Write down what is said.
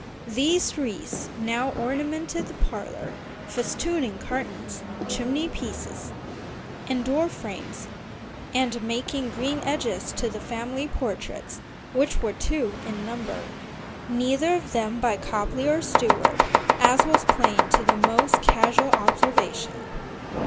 These wreaths now ornamented the parlor, festooning curtains, chimney piece, and door frames, and making green edges to the family portraits, which were two in number, neither of them by Copley or Stuart, as was plain to the most casual observation.